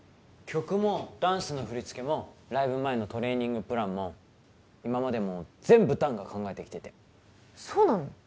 曲もダンスの振り付けもライブ前のトレーニングプランも今までも全部弾が考えてきててそうなの？